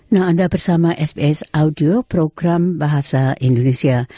nah anda bersama sbs audio program bahasa indonesia